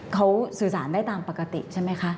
เขาสื่อสารได้ตามปกติใช่ไหมคะ